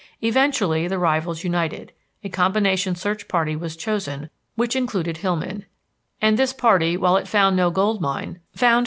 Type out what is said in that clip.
Eventually the rivals united. A combination search party was chosen which included Hillman, and this party, while it found no gold mine, found Crater Lake.